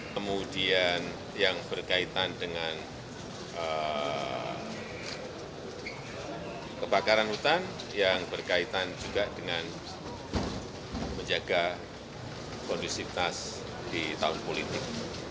kemudian yang berkaitan dengan kebakaran hutan yang berkaitan juga dengan menjaga kondusivitas di tahun politik